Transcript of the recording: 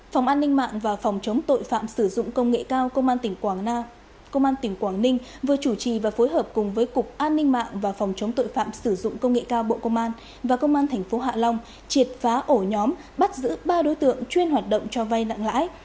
phòng an ninh mạng và phòng chống tội phạm sử dụng công nghệ cao công an tỉnh quảng ninh vừa chủ trì và phối hợp cùng với cục an ninh mạng và phòng chống tội phạm sử dụng công nghệ cao bộ công an và công an tp hạ long triệt phá ổ nhóm bắt giữ ba đối tượng chuyên hoạt động cho vay nặng lãi